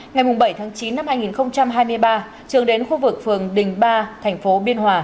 ngày bảy tháng chín năm hai nghìn hai mươi ba trường đến khu vực phường đình ba thành phố biên hòa